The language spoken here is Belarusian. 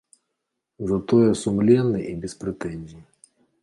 Затое сумленны і без прэтэнзій.